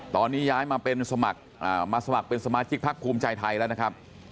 ตอนนี้ย้ายมาเป็นสมัครมาสมัครเป็นสมาชิกพักภูมิใจไทยแล้วนะครับ